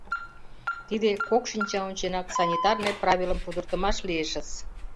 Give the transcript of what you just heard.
Тиде кок шинча онченак санитарный правилым пудыртымаш лиешыс.